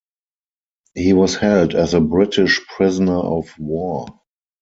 He was held as a British prisoner of war.